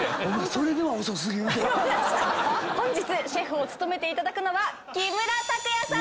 本日シェフを務めていただくのは木村拓哉さん